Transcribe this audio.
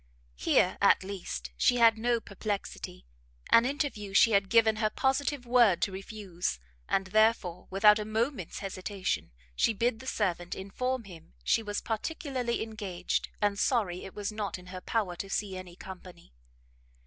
Here, at least, she had no perplexity; an interview she had given her positive word to refuse, and therefore, without a moment's hesitation, she bid the servant inform him she was particularly engaged, and sorry it was not in her power to see any company.